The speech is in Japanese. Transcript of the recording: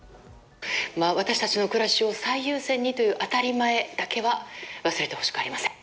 私たちの暮らしを最優先にという当たり前だけは忘れてほしくありません。